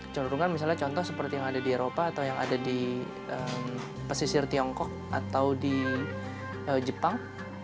cenderungkan misalnya contoh seperti yang ada di eropa atau yang ada di pesisir tiongkok atau di jepang